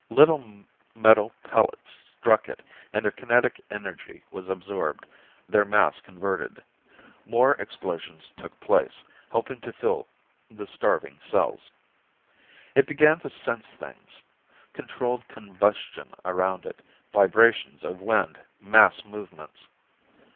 Little metal pellets struck it, and their kinetic energy was absorbed, their mass converted. More explosions took place, helping to fill the starving cells. It began to sense things controlled combustion around it, vibrations of wind, mass movements.